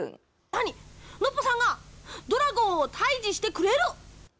何、ノッポさんがドラゴンを退治してくれる？